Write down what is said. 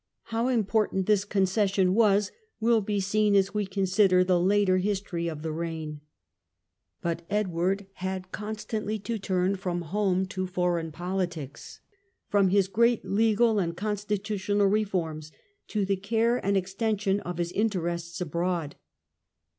How important this concession was will be seen as we consider the later history of the reign. But Edward had constantly to turn from home to foreign politics, from his great legal and constitutional reforms to the care, and the extension, of his interests abroad.